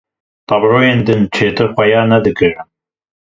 Tabloyên din çêtir xuya nedikirin.